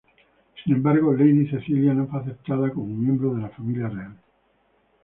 Sin embargo, Lady Cecilia no fue aceptada como miembro de la Familia Real.